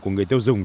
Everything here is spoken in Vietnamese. của người tiêu dùng